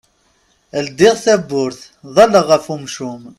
Ldiɣ tabburt, ḍalleɣ ɣef umcum.